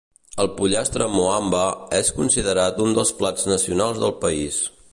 El pollastre Moambe és considerat un dels plats nacionals del país.